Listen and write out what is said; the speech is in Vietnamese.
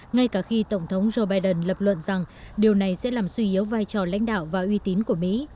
ngay cả khi tổng thống joe biden lập luận rằng điều này sẽ làm suy yếu vai trò lãnh đạo và uy tín của mỹ